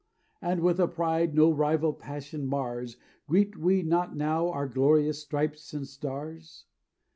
And with a pride no rival passion mars Greet we not now our glorious Stripes and Stars?